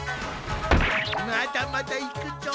まだまだいくぞ。